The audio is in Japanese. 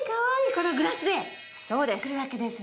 このグラスで作るわけですね。